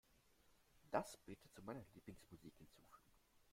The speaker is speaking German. Das bitte zu meiner Lieblingsmusik hinzufügen.